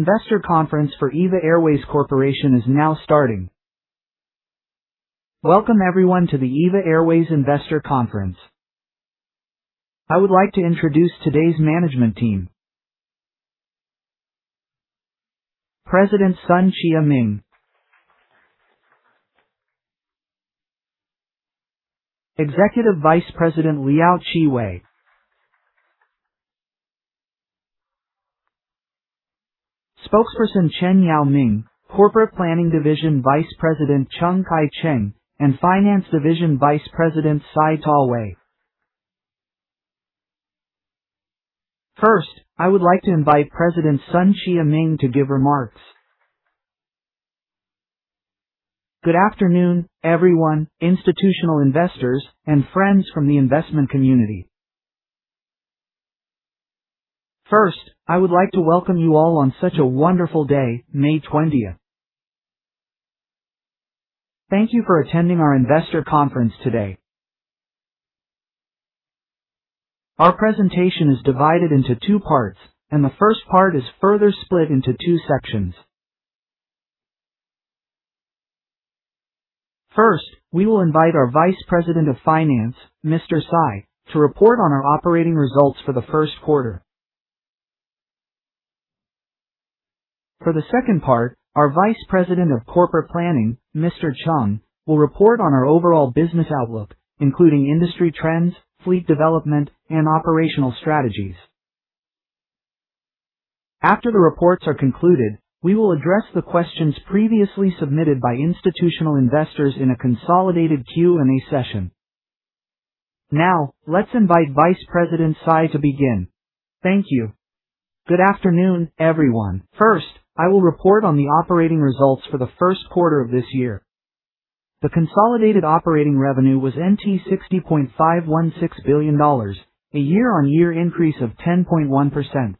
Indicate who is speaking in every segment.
Speaker 1: Investor conference for EVA Airways Corporation is now starting. Welcome everyone to the EVA Airways Investor Conference. I would like to introduce today's management team. President Sun Chia-Ming. Executive Vice President Liao Chi-Wei. Spokesperson Chen Yao-Min, Corporate Planning Division Vice President Chung Kai-Cheng, and Finance Division Vice President Tsai Ta-Wei. I would like to invite President Sun Chia-Ming to give remarks.
Speaker 2: Good afternoon, everyone, institutional investors, and friends from the investment community. I would like to welcome you all on such a wonderful day, May 20th. Thank you for attending our Investor Conference today. Our presentation is divided into two parts, and the first part is further split into two sections. We will invite our Vice President of Finance, Mr. Tsai, to report on our operating results for the first quarter. For the second part, our Vice President of Corporate Planning, Mr. Chung, will report on our overall business outlook, including industry trends, fleet development, and operational strategies. After the reports are concluded, we will address the questions previously submitted by institutional investors in a consolidated Q&A session. Now, let's invite Vice President Tsai to begin.
Speaker 3: Thank you. Good afternoon, everyone. First, I will report on the operating results for the first quarter of this year. The consolidated operating revenue was 60.516 billion NT dollars, a year-on-year increase of 10.1%.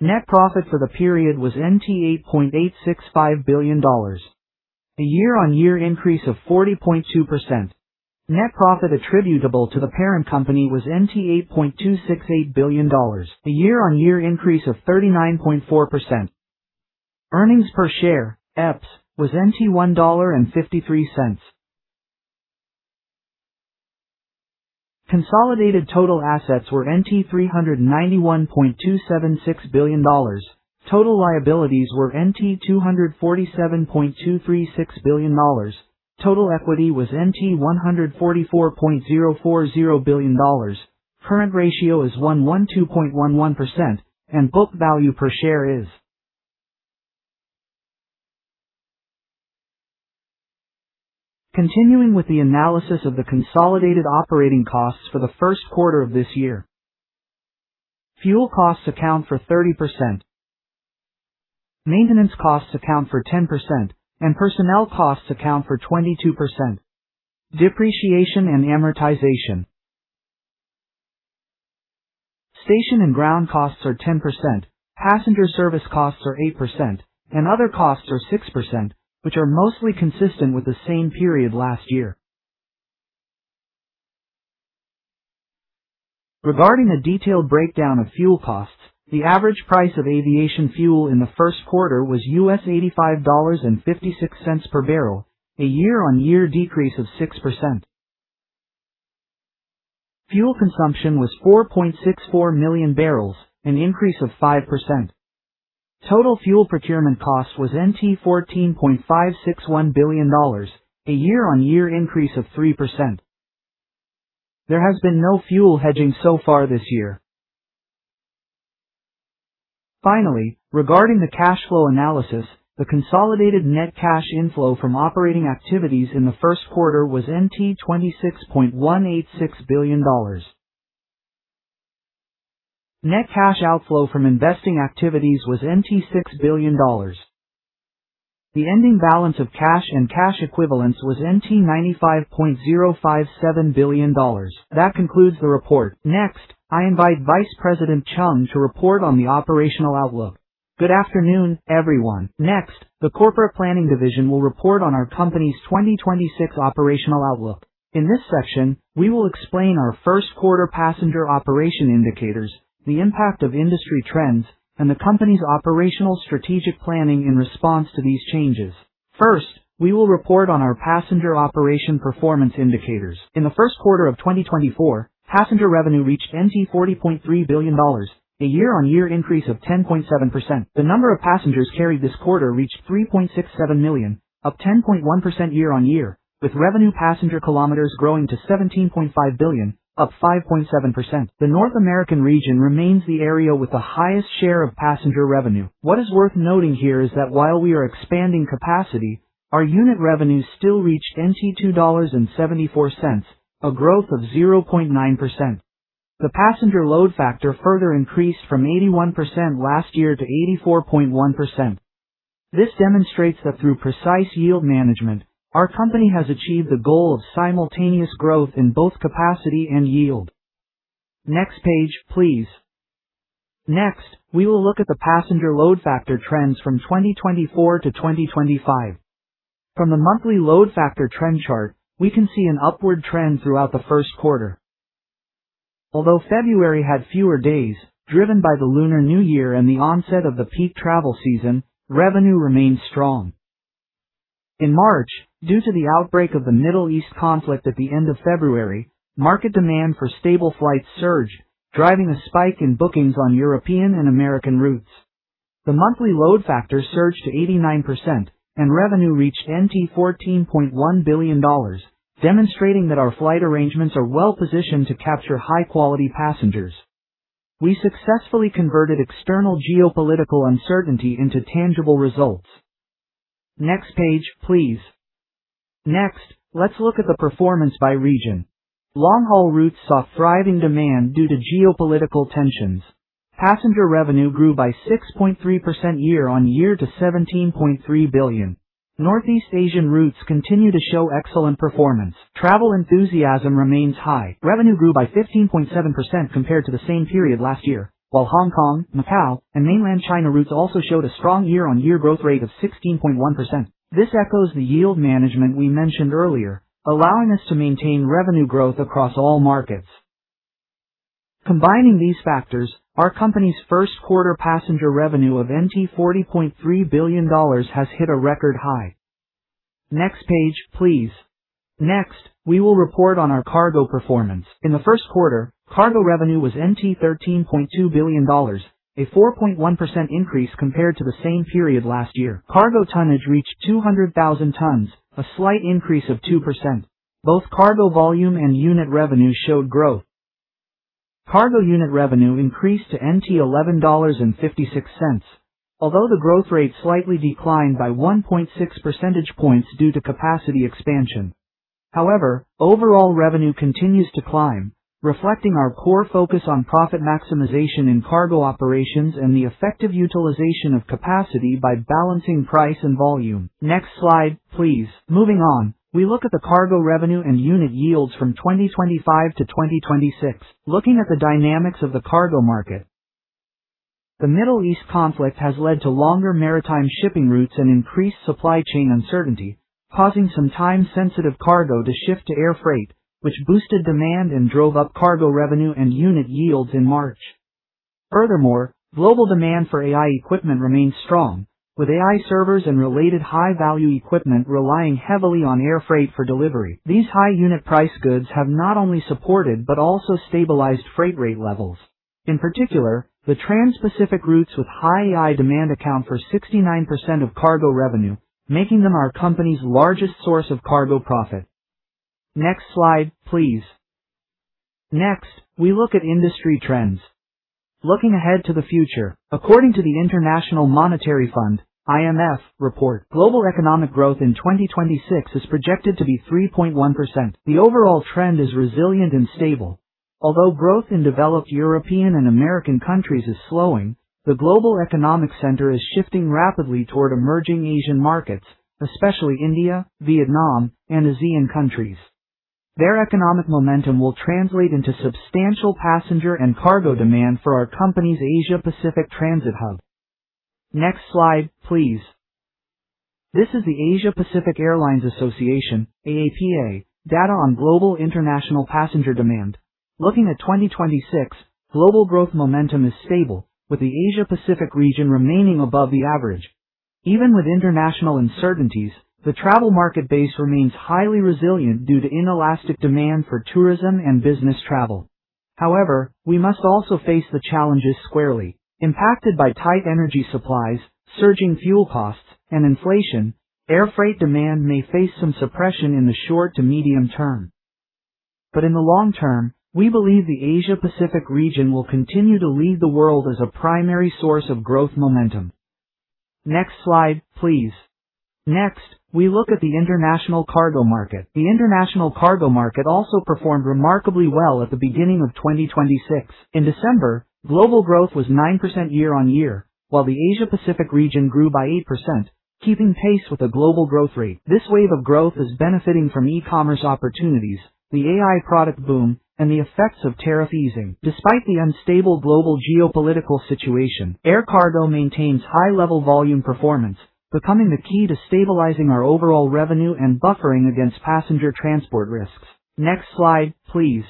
Speaker 3: Net profit for the period was NT 8.865 billion, a year-on-year increase of 40.2%. Net profit attributable to the parent company was 8.268 billion NT dollars, a year-on-year increase of 39.4%. Earnings per share, EPS, was TWD 1.53. Consolidated total assets were 391.276 billion NT dollars. Total liabilities were 247.236 billion NT dollars. Total equity was 144.040 billion NT dollars. Continuing with the analysis of the consolidated operating costs for the first quarter of this year. Fuel costs account for 30%. Maintenance costs account for 10%. Personnel costs account for 22%. Depreciation and amortization, station and ground costs are 10%, passenger service costs are 8%, and other costs are 6%, which are mostly consistent with the same period last year. Regarding the detailed breakdown of fuel costs, the average price of aviation fuel in the first quarter was $85.56 per barrel, a year-on-year decrease of 6%. Fuel consumption was 4.64 million barrels, an increase of 5%. Total fuel procurement cost was 14.561 billion NT dollars, a year-on-year increase of 3%. There has been no fuel hedging so far this year. Finally, regarding the cash flow analysis, the consolidated net cash inflow from operating activities in the first quarter was 26.186 billion dollars. Net cash outflow from investing activities was 6 billion dollars. The ending balance of cash and cash equivalents was 95.057 billion dollars. That concludes the report. Next, I invite Vice President Chung to report on the operational outlook.
Speaker 4: Good afternoon, everyone. Next, the Corporate Planning Division will report on our company's 2026 operational outlook. In this section, we will explain our first-quarter passenger operation indicators, the impact of industry trends, and the company's operational strategic planning in response to these changes. First, we will report on our passenger operation performance indicators. In the first quarter of 2024, passenger revenue reached 40.3 billion NT dollars, a year-on-year increase of 10.7%. The number of passengers carried this quarter reached 3.67 million, up 10.1% year-on-year, with revenue passenger kilometers growing to 17.5 billion, up 5.7%. The North American region remains the area with the highest share of passenger revenue. What is worth noting here is that while we are expanding capacity, our unit revenues still reached 2.74 dollars, a growth of 0.9%. The passenger load factor further increased from 81% last year to 84.1%. This demonstrates that through precise yield management, our company has achieved the goal of simultaneous growth in both capacity and yield. Next page, please. Next, we will look at the passenger load factor trends from 2024 to 2025. From the monthly load factor trend chart, we can see an upward trend throughout the first quarter. Although February had fewer days, driven by the Lunar New Year and the onset of the peak travel season, revenue remained strong. In March, due to the outbreak of the Middle East conflict at the end of February, market demand for stable flights surged, driving a spike in bookings on European and American routes. The monthly load factor surged to 89%, and revenue reached 14.1 billion NT dollars, demonstrating that our flight arrangements are well-positioned to capture high-quality passengers. We successfully converted external geopolitical uncertainty into tangible results. Next page, please. Next, let's look at the performance by region. Long-haul routes saw thriving demand due to geopolitical tensions. Passenger revenue grew by 6.3% year-on-year to 17.3 billion. Northeast Asian routes continue to show excellent performance. Travel enthusiasm remains high. Revenue grew by 15.7% compared to the same period last year, while Hong Kong, Macau, and Mainland China routes also showed a strong year-on-year growth rate of 16.1%. This echoes the yield management we mentioned earlier, allowing us to maintain revenue growth across all markets. Combining these factors, our company's first quarter passenger revenue of 40.3 billion NT dollars has hit a record high. Next page, please. Next, we will report on our cargo performance. In the first quarter, cargo revenue was 13.2 billion dollars, a 4.1% increase compared to the same period last year. Cargo tonnage reached 200,000 tons, a slight increase of 2%. Both cargo volume and unit revenue showed growth. Cargo unit revenue increased to 11.56 NT dollars, although the growth rate slightly declined by 1.6 percentage points due to capacity expansion. However, overall revenue continues to climb, reflecting our core focus on profit maximization in cargo operations and the effective utilization of capacity by balancing price and volume. Next slide, please. Moving on, we look at the cargo revenue and unit yields from 2025 to 2026. Looking at the dynamics of the cargo market, the Middle East conflict has led to longer maritime shipping routes and increased supply chain uncertainty, causing some time-sensitive cargo to shift to air freight, which boosted demand and drove up cargo revenue and unit yields in March. Furthermore, global demand for AI equipment remains strong, with AI servers and related high-value equipment relying heavily on air freight for delivery. These high unit price goods have not only supported but also stabilized freight rate levels. In particular, the Trans-Pacific routes with high AI demand account for 69% of cargo revenue, making them our company's largest source of cargo profit. Next slide, please. Next, we look at industry trends. Looking ahead to the future, according to the International Monetary Fund, IMF, report, global economic growth in 2026 is projected to be 3.1%. The overall trend is resilient and stable. Although growth in developed European and American countries is slowing, the global economic center is shifting rapidly toward emerging Asian markets, especially India, Vietnam, and ASEAN countries. Their economic momentum will translate into substantial passenger and cargo demand for our company's Asia-Pacific transit hub. Next slide, please. This is the Asia Pacific Airlines Association, AAPA, data on global international passenger demand. Looking at 2026, global growth momentum is stable, with the Asia-Pacific region remaining above the average. Even with international uncertainties, the travel market base remains highly resilient due to inelastic demand for tourism and business travel. However, we must also face the challenges squarely. Impacted by tight energy supplies, surging fuel costs, and inflation, air freight demand may face some suppression in the short to medium term. In the long term, we believe the Asia-Pacific region will continue to lead the world as a primary source of growth momentum. Next slide, please. Next, we look at the international cargo market. The international cargo market also performed remarkably well at the beginning of 2026. In December, global growth was 9% year-on-year, while the Asia-Pacific region grew by 8%, keeping pace with the global growth rate. This wave of growth is benefiting from e-commerce opportunities, the AI product boom, and the effects of tariff easing. Despite the unstable global geopolitical situation, air cargo maintains high-level volume performance, becoming the key to stabilizing our overall revenue and buffering against passenger transport risks. Next slide, please.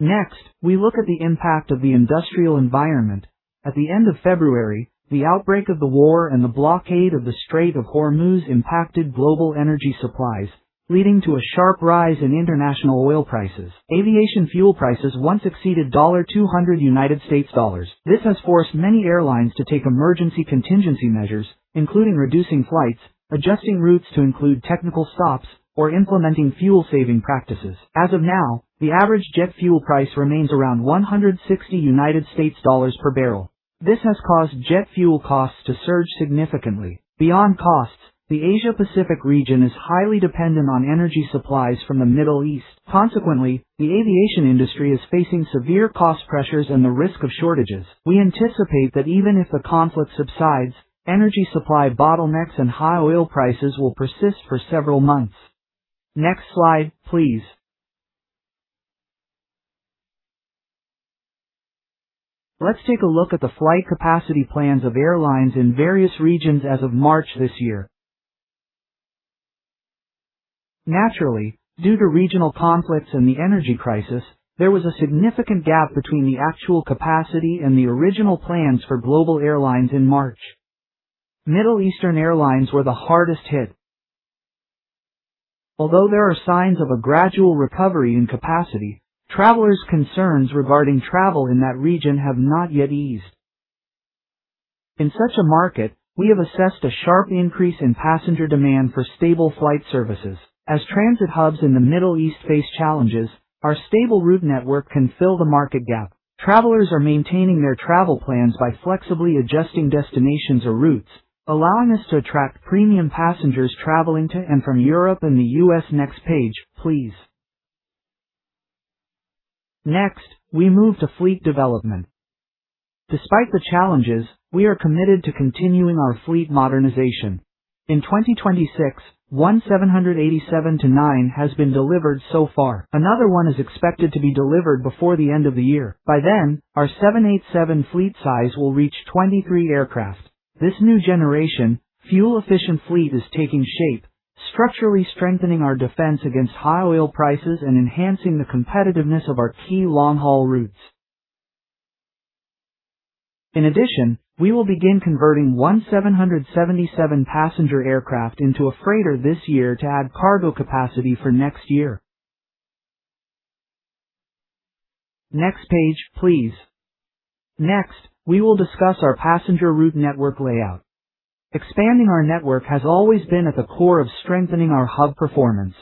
Speaker 4: Next, we look at the impact of the industrial environment. At the end of February, the outbreak of the war and the blockade of the Strait of Hormuz impacted global energy supplies, leading to a sharp rise in international oil prices. Aviation fuel prices once exceeded $200. This has forced many airlines to take emergency contingency measures, including reducing flights, adjusting routes to include technical stops, or implementing fuel-saving practices. As of now, the average jet fuel price remains around $160 per barrel. This has caused jet fuel costs to surge significantly. Beyond costs, the Asia-Pacific region is highly dependent on energy supplies from the Middle East. Consequently, the aviation industry is facing severe cost pressures and the risk of shortages. We anticipate that even if the conflict subsides, energy supply bottlenecks and high oil prices will persist for several months. Next slide, please. Let's take a look at the flight capacity plans of airlines in various regions as of March this year. Naturally, due to regional conflicts and the energy crisis, there was a significant gap between the actual capacity and the original plans for global airlines in March. Middle Eastern airlines were the hardest hit. Although there are signs of a gradual recovery in capacity, travelers' concerns regarding travel in that region have not yet eased. In such a market, we have assessed a sharp increase in passenger demand for stable flight services. As transit hubs in the Middle East face challenges, our stable route network can fill the market gap. Travelers are maintaining their travel plans by flexibly adjusting destinations or routes, allowing us to attract premium passengers traveling to and from Europe and the U.S. Next page, please. Next, we move to fleet development. Despite the challenges, we are committed to continuing our fleet modernization. In 2026, one 787-9 has been delivered so far. Another one is expected to be delivered before the end of the year. By then, our 787 fleet size will reach 23 aircraft. This new generation, fuel-efficient fleet is taking shape, structurally strengthening our defense against high oil prices and enhancing the competitiveness of our key long-haul routes. In addition, we will begin converting one 777 passenger aircraft into a freighter this year to add cargo capacity for next year. Next slide, please. Next, we will discuss our passenger route network layout. Expanding our network has always been at the core of strengthening our hub performance.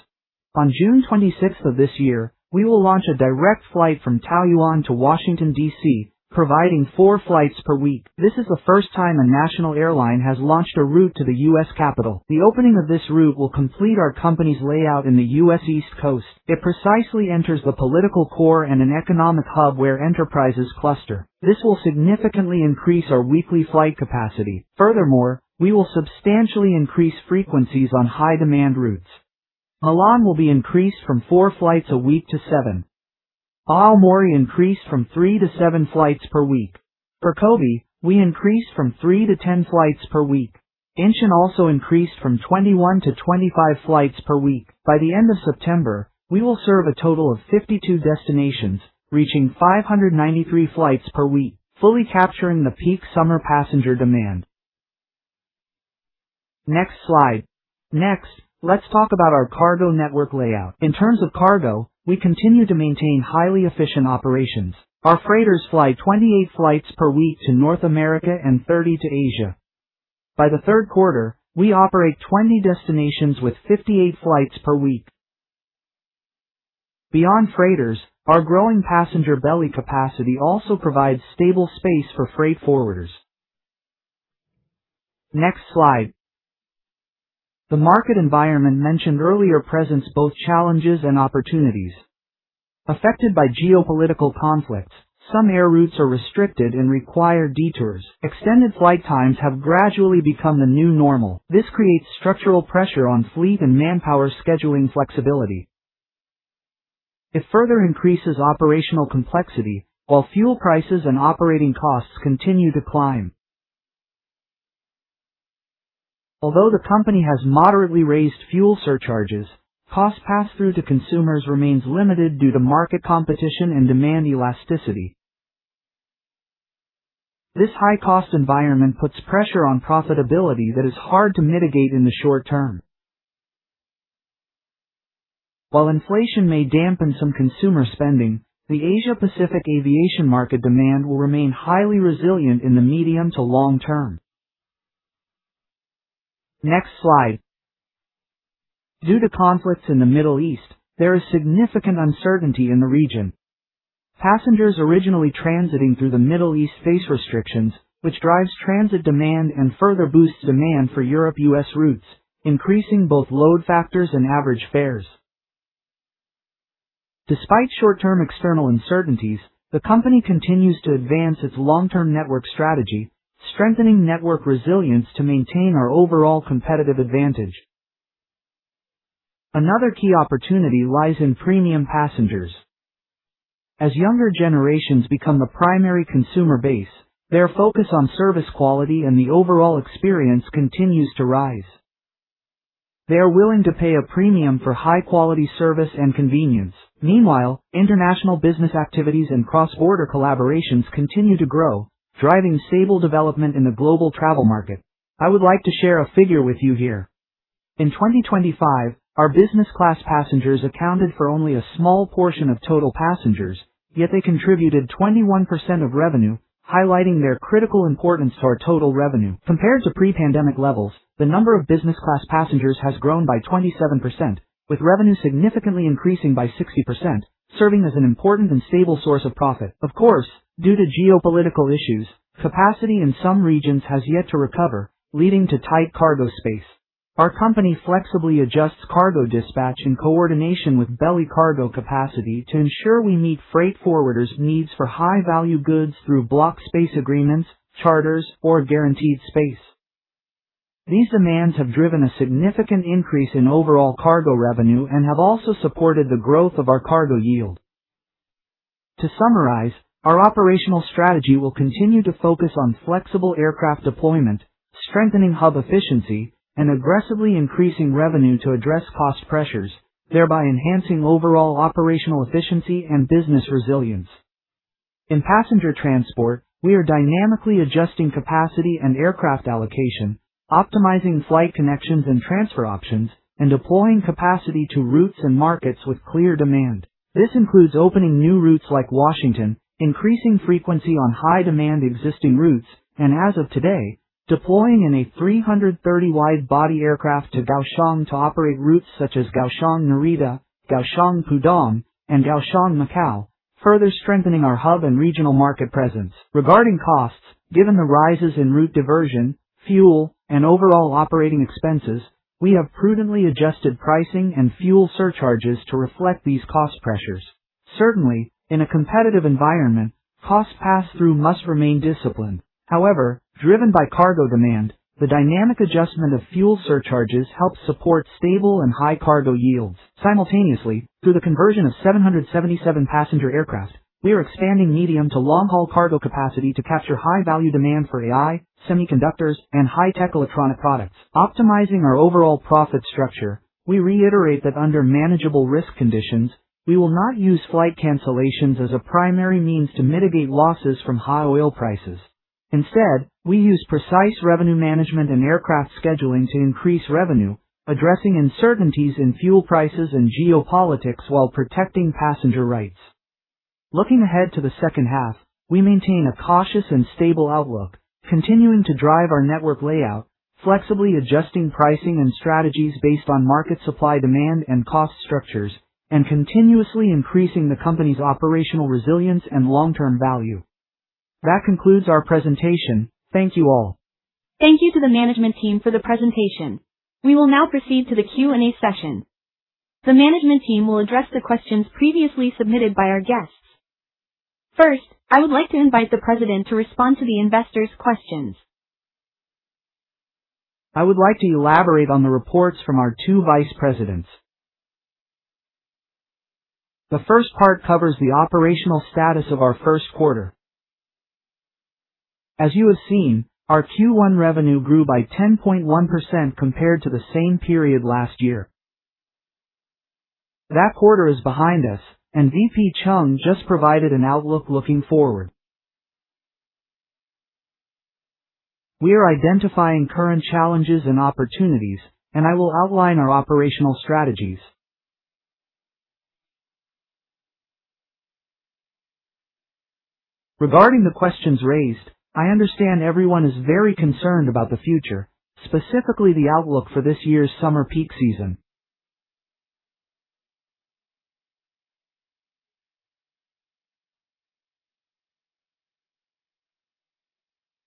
Speaker 4: On June 26th of this year, we will launch a direct flight from Taoyuan to Washington, D.C., providing four flights per week. This is the first time a national airline has launched a route to the U.S. capital. The opening of this route will complete our company's layout in the U.S. East Coast. It precisely enters the political core and an economic hub where enterprises cluster. This will significantly increase our weekly flight capacity. We will substantially increase frequencies on high-demand routes. Milan will be increased from four flights a week to seven. Aomori increased from three to seven flights per week. For Kobe, we increased from three to 10 flights per week. Incheon also increased from 21 to 25 flights per week. By the end of September, we will serve a total of 52 destinations, reaching 593 flights per week, fully capturing the peak summer passenger demand. Next slide. Next, let's talk about our cargo network layout. In terms of cargo, we continue to maintain highly efficient operations. Our freighters fly 28 flights per week to North America and 30 to Asia. By the third quarter, we operate 20 destinations with 58 flights per week. Beyond freighters, our growing passenger belly capacity also provides stable space for freight forwarders. Next slide. The market environment mentioned earlier presents both Challenges and Opportunities. Affected by geopolitical conflicts, some air routes are restricted and require detours. Extended flight times have gradually become the new normal. This creates structural pressure on fleet and manpower scheduling flexibility. It further increases operational complexity, while fuel prices and operating costs continue to climb. Although the company has moderately raised fuel surcharges, cost pass-through to consumers remains limited due to market competition and demand elasticity. This high-cost environment puts pressure on profitability that is hard to mitigate in the short term. While inflation may dampen some consumer spending, the Asia-Pacific aviation market demand will remain highly resilient in the medium to long term. Next slide. Due to conflicts in the Middle East, there is significant uncertainty in the region. Passengers originally transiting through the Middle East face restrictions, which drives transit demand and further boosts demand for Europe-U.S. routes, increasing both load factors and average fares. Despite short-term external uncertainties, the company continues to advance its long-term network strategy, strengthening network resilience to maintain our overall competitive advantage. Another key opportunity lies in premium passengers. As younger generations become the primary consumer base, their focus on service quality and the overall experience continues to rise. They are willing to pay a premium for high-quality service and convenience. Meanwhile, international business activities and cross-border collaborations continue to grow, driving stable development in the global travel market. I would like to share a figure with you here. In 2025, our business class passengers accounted for only a small portion of total passengers, yet they contributed 21% of revenue, highlighting their critical importance to our total revenue. Compared to pre-pandemic levels, the number of business class passengers has grown by 27%, with revenue significantly increasing by 60%, serving as an important and stable source of profit. Of course, due to geopolitical issues, capacity in some regions has yet to recover, leading to tight cargo space. Our company flexibly adjusts cargo dispatch in coordination with belly cargo capacity to ensure we meet freight forwarders' needs for high-value goods through block space agreements, charters, or guaranteed space. These demands have driven a significant increase in overall cargo revenue and have also supported the growth of our cargo yield. To summarize, our Operational Strategy will continue to focus on flexible aircraft deployment, strengthening hub efficiency, and aggressively increasing revenue to address cost pressures, thereby enhancing overall operational efficiency and business resilience. In passenger transport, we are dynamically adjusting capacity and aircraft allocation, optimizing flight connections and transfer options, and deploying capacity to routes and markets with clear demand. This includes opening new routes like Washington, increasing frequency on high-demand existing routes, and as of today, deploying an A330 wide-body aircraft to Kaohsiung to operate routes such as Kaohsiung-Narita, Kaohsiung-Pudong, and Kaohsiung-Macau, further strengthening our hub and regional market presence. Regarding costs, given the rises in route diversion, fuel, and overall operating expenses, we have prudently adjusted pricing and fuel surcharges to reflect these cost pressures. Certainly, in a competitive environment, cost pass-through must remain disciplined. However, driven by cargo demand, the dynamic adjustment of fuel surcharges helps support stable and high cargo yields. Simultaneously, through the conversion of 777 passenger aircraft, we are expanding medium- to long-haul cargo capacity to capture high-value demand for AI, semiconductors, and high-tech electronic products. Optimizing our overall profit structure, we reiterate that under manageable risk conditions, we will not use flight cancellations as a primary means to mitigate losses from high oil prices. Instead, we use precise revenue management and aircraft scheduling to increase revenue, addressing uncertainties in fuel prices and geopolitics while protecting passenger rights. Looking ahead to the second half, we maintain a cautious and stable outlook, continuing to drive our network layout, flexibly adjusting pricing and strategies based on market supply-demand and cost structures, and continuously increasing the company's operational resilience and long-term value. That concludes our presentation. Thank you all.
Speaker 1: Thank you to the management team for the presentation. We will now proceed to the Q&A session. The management team will address the questions previously submitted by our guests. First, I would like to invite the President to respond to the investors' questions.
Speaker 2: I would like to elaborate on the reports from our two vice presidents. The first part covers the operational status of our first quarter. As you have seen, our Q1 revenue grew by 10.1% compared to the same period last year. That quarter is behind us. VP Chung just provided an outlook looking forward. We are identifying current Challenges and Opportunities. I will outline our operational strategies. Regarding the questions raised, I understand everyone is very concerned about the future, specifically the outlook for this year's summer peak season.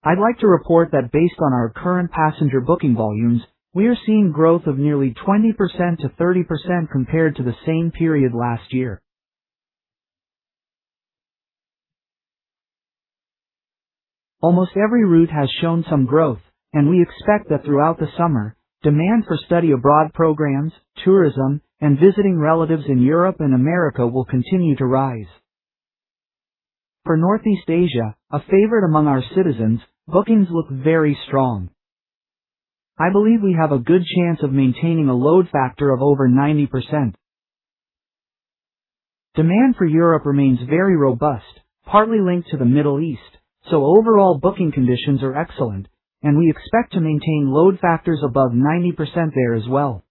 Speaker 2: I'd like to report that based on our current passenger booking volumes, we are seeing growth of nearly 20%-30% compared to the same period last year. Almost every route has shown some growth. We expect that throughout the summer, demand for study abroad programs, tourism, and visiting relatives in Europe and America will continue to rise. For Northeast Asia, a favorite among our citizens, bookings look very strong. I believe we have a good chance of maintaining a load factor of over 90%. Demand for Europe remains very robust, partly linked to the Middle East, overall booking conditions are excellent, and we expect to maintain load factors above 90% there as well.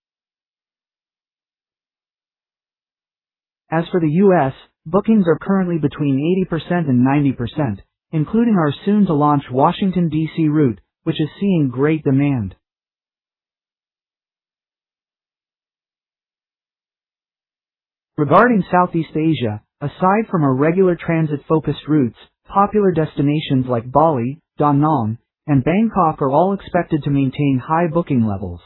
Speaker 2: As for the U.S., bookings are currently between 80% and 90%, including our soon-to-launch Washington, D.C. route, which is seeing great demand. Regarding Southeast Asia, aside from our regular transit-focused routes, popular destinations like Bali, Da Nang, and Bangkok are all expected to maintain high booking levels.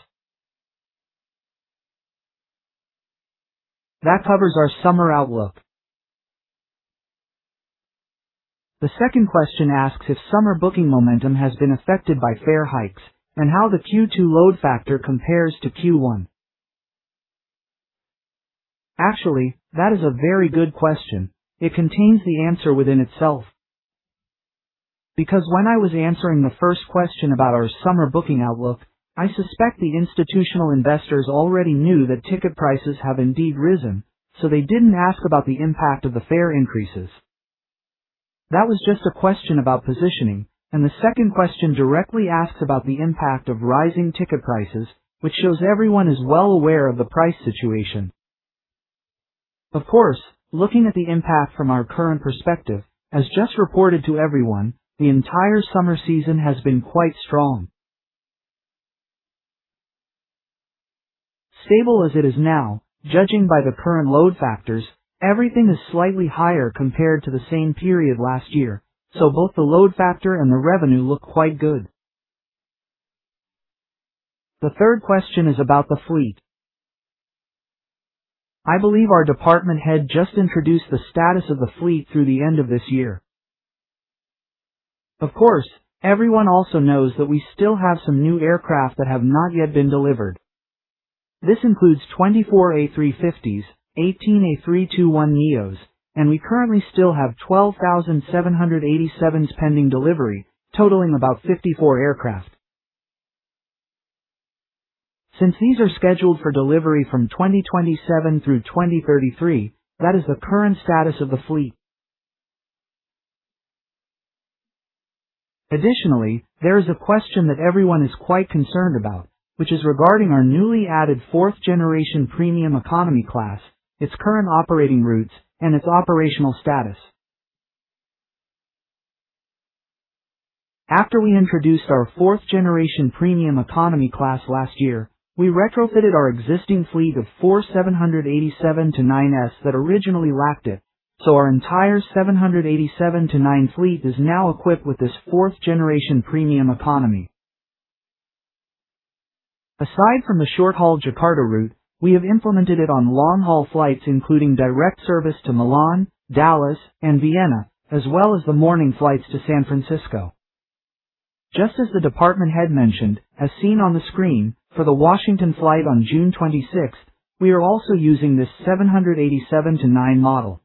Speaker 2: That covers our summer outlook. The second question asks if summer booking momentum has been affected by fare hikes and how the Q2 load factor compares to Q1. Actually, that is a very good question. It contains the answer within itself, because when I was answering the first question about our summer booking outlook, I suspect the institutional investors already knew that ticket prices have indeed risen, so they didn't ask about the impact of the fare increases. That was just a question about positioning. The second question directly asks about the impact of rising ticket prices, which shows everyone is well aware of the price situation. Of course, looking at the impact from our current perspective, as just reported to everyone, the entire summer season has been quite strong. Stable as it is now, judging by the current load factors, everything is slightly higher compared to the same period last year, so both the load factor and the revenue look quite good. The third question is about the fleet. I believe our department head just introduced the status of the fleet through the end of this year. Of course, everyone also knows that we still have some new aircraft that have not yet been delivered. This includes 24 A350s, 18 A321neos, and we currently still have 12,787 spending delivery, totaling about 54 aircraft. Since these are scheduled for delivery from 2027 through 2033, that is the current status of the fleet. Additionally, there is a question that everyone is quite concerned about, which is regarding our newly added Fourth Generation Premium Economy Class, its current operating routes, and its operational status. After we introduced our Fourth Generation Premium Economy Class last year, we retrofitted our existing fleet of four 787-9s that originally lacked it. Our entire 787-9 fleet is now equipped with this Fourth Generation Premium Economy. Aside from the short-haul Jakarta route, we have implemented it on long-haul flights including direct service to Milan, Dallas, and Vienna, as well as the morning flights to San Francisco. Just as the department head mentioned, as seen on the screen, for the Washington flight on June 26th, we are also using this 787-9 model.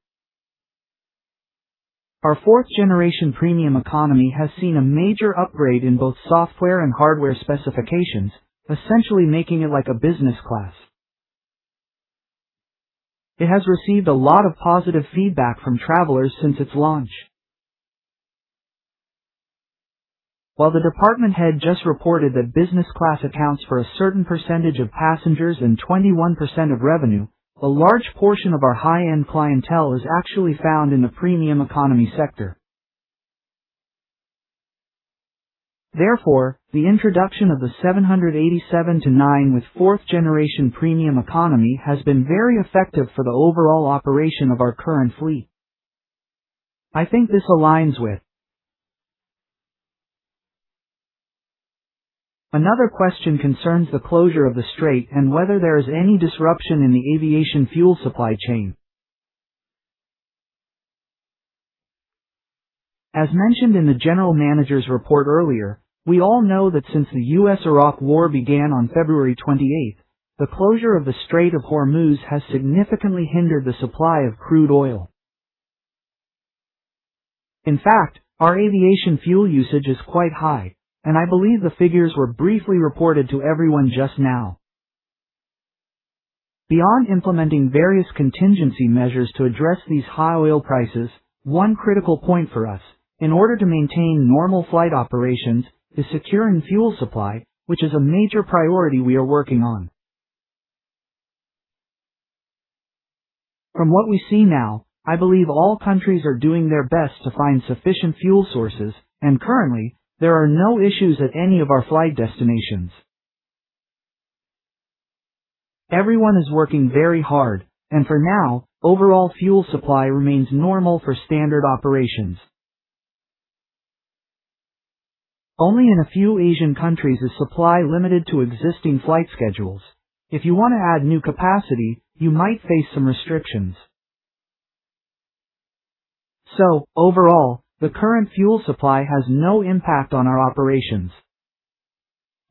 Speaker 2: Our Fourth Generation Premium Economy has seen a major upgrade in both software and hardware specifications, essentially making it like a business class. It has received a lot of positive feedback from travelers since its launch. While the department head just reported that business class accounts for a certain percentage of passengers and 21% of revenue, a large portion of our high-end clientele is actually found in the Premium Economy sector. Therefore, the introduction of the 787-9 with Fourth Generation Premium Economy has been very effective for the overall operation of our current fleet. I think this aligns with. Another question concerns the closure of the strait and whether there is any disruption in the aviation fuel supply chain. As mentioned in the General Manager's report earlier, we all know that since the U.S.-Iraq War began on February 28th, the closure of the Strait of Hormuz has significantly hindered the supply of crude oil. In fact, our aviation fuel usage is quite high, and I believe the figures were briefly reported to everyone just now. Beyond implementing various contingency measures to address these high oil prices, one critical point for us, in order to maintain normal flight operations, is securing fuel supply, which is a major priority we are working on. From what we see now, I believe all countries are doing their best to find sufficient fuel sources, and currently, there are no issues at any of our flight destinations. Everyone is working very hard, and for now, overall fuel supply remains normal for standard operations. Only in a few Asian countries is supply limited to existing flight schedules. If you want to add new capacity, you might face some restrictions. Overall, the current fuel supply has no impact on our operations.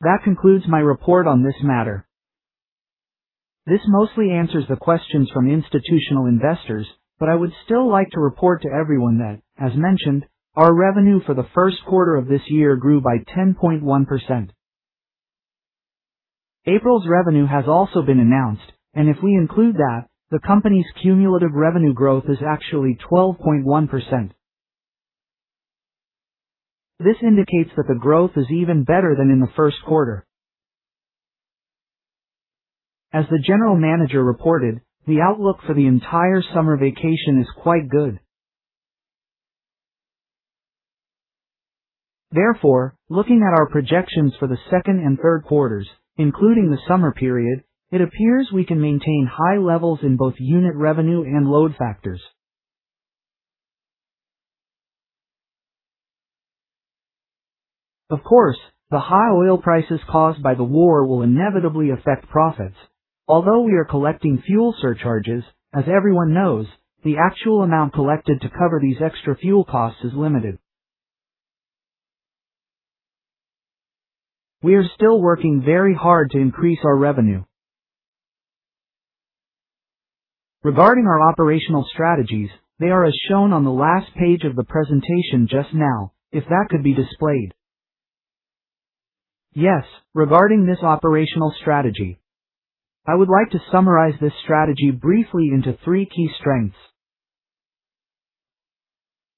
Speaker 2: That concludes my report on this matter. This mostly answers the questions from institutional investors. I would still like to report to everyone that, as mentioned, our revenue for the first quarter of this year grew by 10.1%. April's revenue has also been announced. If we include that, the company's cumulative revenue growth is actually 12.1%. This indicates that the growth is even better than in the first quarter. As the general manager reported, the outlook for the entire summer vacation is quite good. Therefore, looking at our projections for the second and third quarters, including the summer period, it appears we can maintain high levels in both unit revenue and load factors. Of course, the high oil prices caused by the war will inevitably affect profits. Although we are collecting fuel surcharges, as everyone knows, the actual amount collected to cover these extra fuel costs is limited. We are still working very hard to increase our revenue. Regarding our operational strategies, they are as shown on the last page of the presentation just now, if that could be displayed. Yes, regarding this Operational Strategy, I would like to summarize this strategy briefly into three key strengths.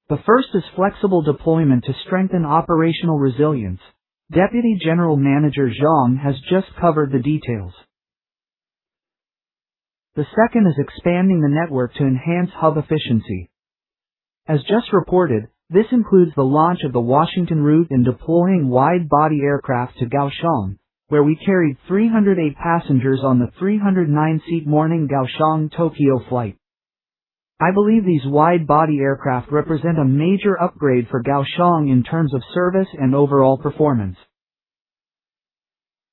Speaker 2: The first is flexible deployment to strengthen operational resilience. Deputy General Manager Chung has just covered the details. The second is expanding the network to enhance hub efficiency. As just reported, this includes the launch of the Washington route and deploying wide-body aircraft to Kaohsiung, where we carried 308 passengers on the 309-seat morning Kaohsiung-Tokyo flight. I believe these wide-body aircraft represent a major upgrade for Kaohsiung in terms of service and overall performance.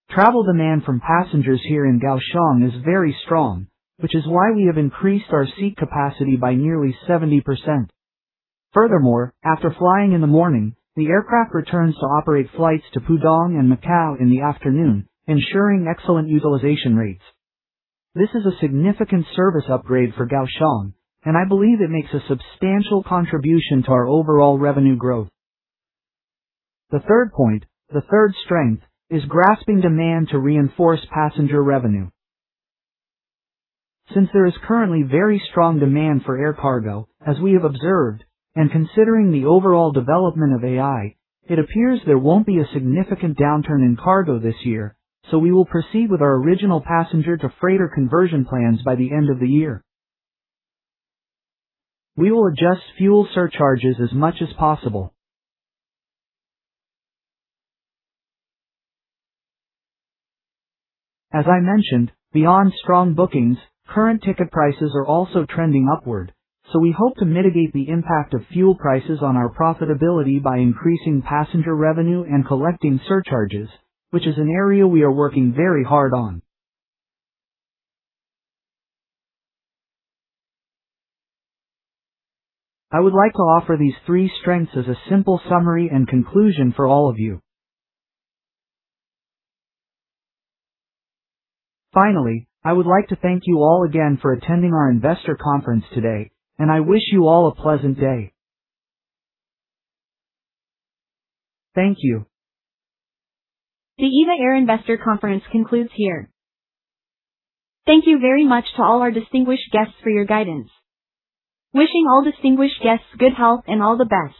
Speaker 2: Travel demand from passengers here in Kaohsiung is very strong, which is why we have increased our seat capacity by nearly 70%. Furthermore, after flying in the morning, the aircraft returns to operate flights to Pudong and Macau in the afternoon, ensuring excellent utilization rates. This is a significant service upgrade for Kaohsiung, and I believe it makes a substantial contribution to our overall revenue growth. The third point, the third strength, is grasping demand to reinforce passenger revenue. Since there is currently very strong demand for air cargo, as we have observed, and considering the overall development of AI, it appears there won't be a significant downturn in cargo this year. We will proceed with our original passenger-to-freighter conversion plans by the end of the year. We will adjust fuel surcharges as much as possible. As I mentioned, beyond strong bookings, current ticket prices are also trending upward. So, we hope to mitigate the impact of fuel prices on our profitability by increasing passenger revenue and collecting surcharges, which is an area we are working very hard on. I would like to offer these three strengths as a simple summary and conclusion for all of you. Finally, I would like to thank you all again for attending our investor conference today, and I wish you all a pleasant day. Thank you.
Speaker 1: The EVA Air Investor Conference concludes here. Thank you very much to all our distinguished guests for your guidance. Wishing all distinguished guests good health and all the best.